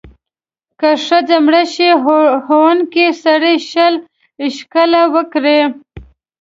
که ښځه مړه شي، وهونکی سړی شل شِکِله ورکړي.